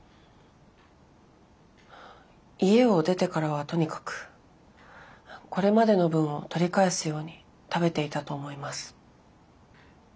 家を出てからはとにかくこれまでの分を取り返すように食べていたと思います。